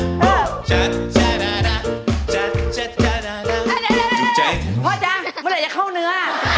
พ่อจ๊ะเมื่อไหร่จะเข้าเนื้อ